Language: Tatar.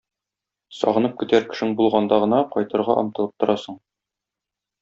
Сагынып көтәр кешең булганда гына кайтырга омтылып торасың.